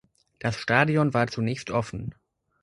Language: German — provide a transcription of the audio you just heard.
Das Stadion war zunächst offen.